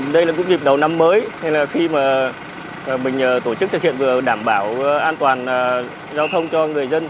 đây là dịp đầu năm mới khi tổ chức thực hiện đảm bảo an toàn giao thông cho người dân